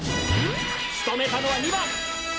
仕留めたのは２番！